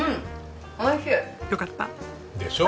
よかった！